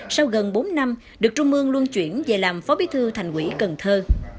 sau gần bốn năm được trung ương luôn chuyển về làm phó bí thư thành ủy cần thơ